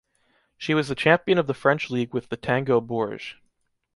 She was the champion of the French league with the Tango Bourges.